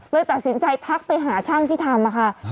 เลยตัดสินใจทักไปหาช่างที่ทำค่ะ